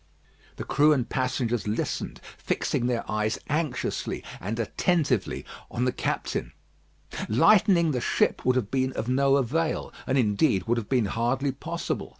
The crew and passengers listened, fixing their eyes anxiously and attentively on the captain. Lightening the ship would have been of no avail, and indeed would have been hardly possible.